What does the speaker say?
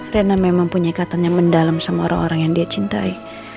rena memang punya ikatannya mendalam sama orang orang yang dia cintai